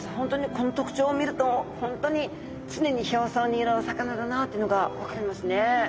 この特徴を見ると本当に常に表層にいるお魚だなっていうのが分かりますね！